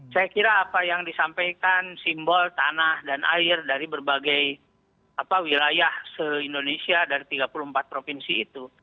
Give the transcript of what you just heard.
saya kira apa yang disampaikan simbol tanah dan air dari berbagai wilayah se indonesia dari tiga puluh empat provinsi itu